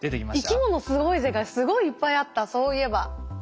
「生きものすごいぜ」がすごいいっぱいあったそういえば。